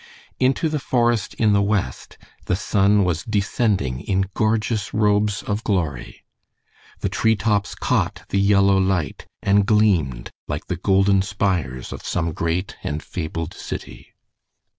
Into the forest in the west the sun was descending in gorgeous robes of glory. The treetops caught the yellow light, and gleamed like the golden spires of some great and fabled city.